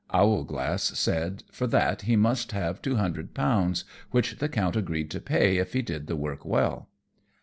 Owlglass said for that he must have two hundred pounds; which the Count agreed to pay if he did the work well.